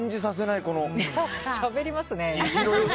しゃべりますね。